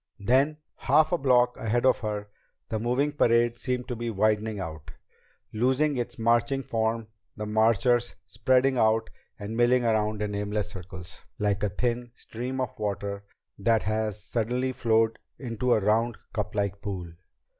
Then, half a block ahead of her, the moving parade seemed to be widening out, losing its marching form, the marchers spreading out and milling around in aimless circles like a thin stream of water that has suddenly flowed into a round, cuplike pool.